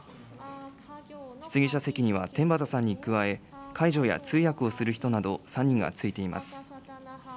質疑者席には、天畠さんに加え、介助や通訳をする人など３人がついています。